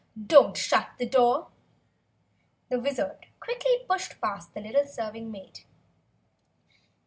Don't shut the door!" The Wizard quickly pushed past the little serving maid.